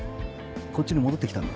こっちに戻ってきたんだ。